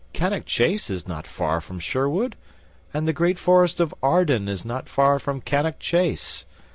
Cannock Chase is not far from Sherwood, and the great Forest of Arden is not far from Cannock Chase.